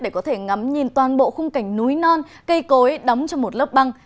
để có thể ngắm nhìn toàn bộ khung cảnh núi non cây cối đóng cho một lớp băng